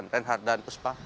renhard dan uspa